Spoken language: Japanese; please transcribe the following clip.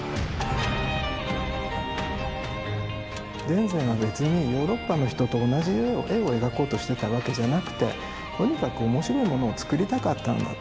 田善は別にヨーロッパの人と同じ絵を描こうとしてたわけじゃなくてとにかく面白いものを作りたかったんだと。